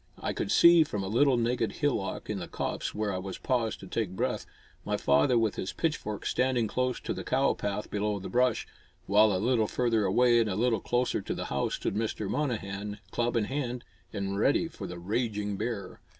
I could see, from a little naked hillock in the copse where I paused to take breath, my father with his pitchfork standing close to the cow path below the brush, while a little further away and a little closer to the house stood Mr. Monnehan, club in hand and ready for the raging bear.